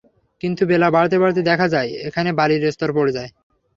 কিন্তু বেলা বাড়তে বাড়তে দেখা যাবে, এখানে বালির স্তর পড়ে যায়।